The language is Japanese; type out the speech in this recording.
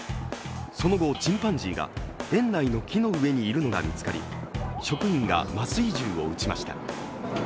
その後、チンパンジーが園内の木の上にいるのが見つかり職員が麻酔銃を撃ちました。